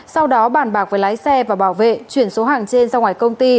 sau đó bàn bạc với lái xe và bảo vệ chuyển số hàng trên ra ngoài công ty